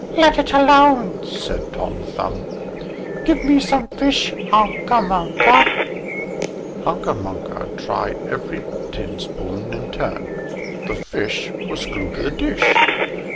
"Let it alone," said Tom Thumb; "give me some fish, Hunca Munca!" Hunca Munca tried every tin spoon in turn; the fish was glued to the dish.